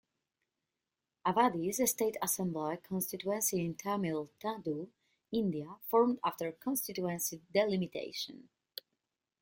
Avadi is a state assembly constituency in Tamil Nadu, India formed after constituency delimitation.